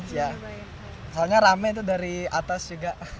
soalnya rame itu dari atas juga